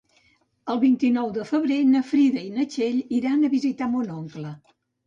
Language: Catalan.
El vint-i-nou de febrer na Frida i na Txell iran a visitar mon oncle.